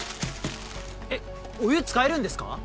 えっお湯使えるんですか？